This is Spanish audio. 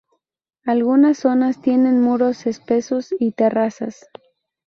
Algunas zonas tienen muros espesos y terrazas.